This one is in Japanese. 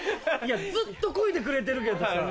ずっとこいでくれてるけどさ。